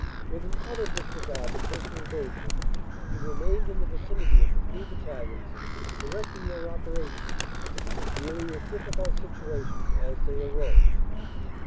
With an utter disregard to personal danger he remained in the vicinity of the three Battalions, directing their operations and dealing with difficult situations as they arose.